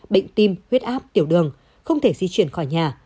bệnh tim huyết áp tiểu đường không thể di chuyển khỏi nhà